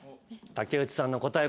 竹内さんの答え